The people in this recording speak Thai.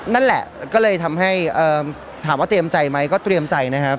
นั่นแหละก็เลยทำให้ถามว่าเตรียมใจไหมก็เตรียมใจนะครับ